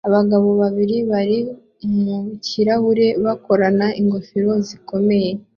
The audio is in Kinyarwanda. Abagabo babiri bari mu kirahuri bakorana ingofero zikomeye